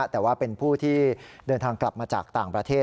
แต่ว่าเป็นผู้ที่เดินทางกลับมาจากต่างประเทศ